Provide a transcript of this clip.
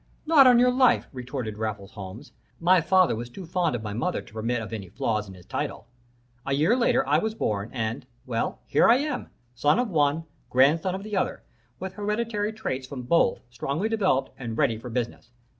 "Not on your life!" retorted Raffles Holmes. "My father was too fond of my mother to permit of any flaw in his title. A year later I was born, and well, here I am son of one, grandson of the other, with hereditary traits from both strongly developed and ready for business.